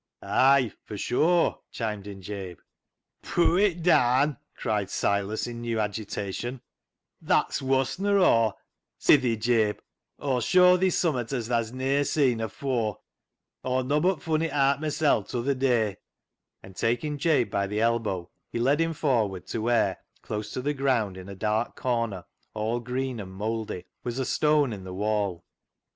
" Ay 1 for sure," chimed in Jabe. " Poo' it daan !" cried Silas, in new agita tion ;" that's woss nor aw. Sithee, Jabe, Aw'll show thee summat as thaa's ne'er seen afoor. Aw nobbut fun it aat mysel' t'other day." And, taking Jabe by the elbow, he led him forward to where, close to the ground, in a dark corner all green and mouldy, was a stone in the wall.